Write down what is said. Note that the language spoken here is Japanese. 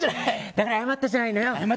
だから謝ったじゃない！